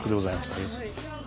ありがとうございます。